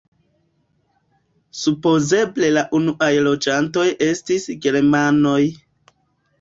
Supozeble la unuaj loĝantoj estis germanoj.